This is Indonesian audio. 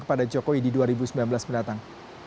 kepada jokowi di dua ribu sembilan belas mendatang